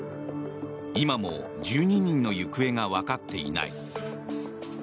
今も１２人の行方がわかっていない。